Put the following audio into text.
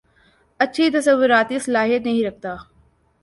اچھی تصوارتی صلاحیت نہیں رکھتا